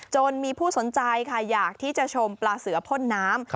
จนมีผู้สนใจค่ะอยากที่จะชมปลาเสือพ่นน้ำ